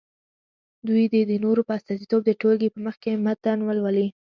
دوی دې د نورو په استازیتوب د ټولګي په مخکې متن ولولي.